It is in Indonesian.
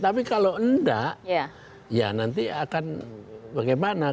tapi kalau enggak ya nanti akan bagaimana